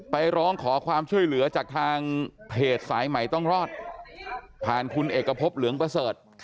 ร้องขอความช่วยเหลือจากทางเพจสายใหม่ต้องรอดผ่านคุณเอกพบเหลืองประเสริฐ